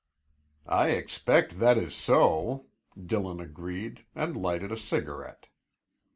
"I expect that is so," Dillon agreed, and lighted a cigarette.